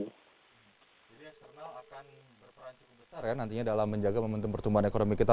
jadi eksternal akan berperan cukup besar ya nantinya dalam menjaga momentum pertumbuhan ekonomi kita